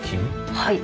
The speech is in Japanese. はい。